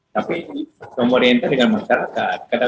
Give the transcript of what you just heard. tapi kita orientasi dengan masyarakat